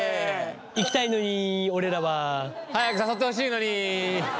行きたいのに俺らは。早く誘ってほしいのに。